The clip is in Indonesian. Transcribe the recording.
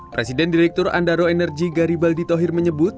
presiden direktur andaro energi garibaldi tohir menyebut